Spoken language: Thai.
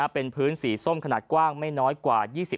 เป็นพื้นสีส้มขนาดกว้างไม่น้อยกว่า๒๐